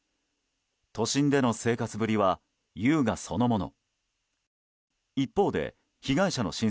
都心での生活ぶりは優雅そのもの。